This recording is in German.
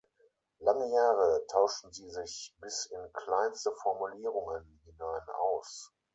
Lange Jahre tauschten sie sich bis in kleinste Formulierungen hinein aus.